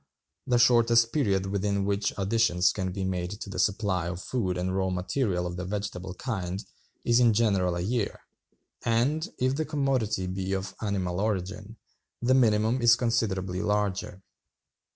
The shortest period within which additions can be made to the supply of food and raw material of the vegetable kind is in general a year, and, if the commodity be of animal origin, the minimum is considerably larger.